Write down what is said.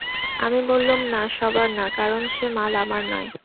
আমি বললুম, না, সরাব না, কারণ, সে মাল আমার নয়।